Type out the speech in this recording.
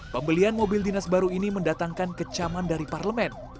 pembelian mobil dinas baru ini mendatangkan kecaman dari parlemen